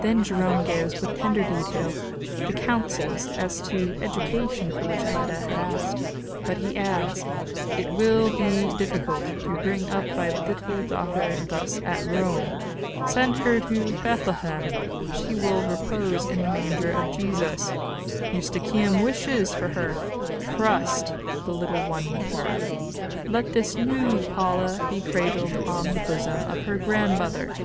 Then Jerome gives, with tender detail, the counsels as to education for which Leta had asked. But he adds: "It will be difficult to bring up thy little daughter thus at Rome. Send her to Bethlehem; she will repose in the manger of Jesus. Eustochium wishes for her; trust the little one with her. Let this new Paula be cradled on the bosom of her grandmother.